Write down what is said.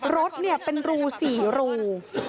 รถเป็นรู๔รู